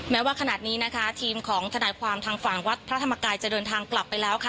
แม้ว่าขนาดนี้นะคะทีมของทนายความทางฝั่งวัดพระธรรมกายจะเดินทางกลับไปแล้วค่ะ